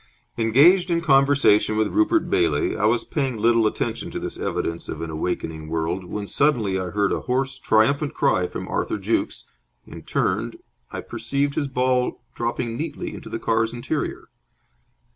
Engaged in conversation with Rupert Bailey, I was paying little attention to this evidence of an awakening world, when suddenly I heard a hoarse, triumphant cry from Arthur Jukes, and, turned, I perceived his ball dropping neatly into the car's interior.